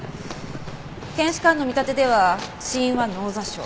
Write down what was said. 検視官の見立てでは死因は脳挫傷。